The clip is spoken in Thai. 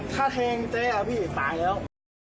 ถ้าแทงเจ๊อะพี่ตายแล้ว